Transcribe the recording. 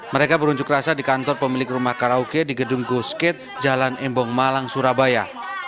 mereka berunjuk rasa di kantor pemilik rumah karaoke di gedung go skate jalan embong malang surabaya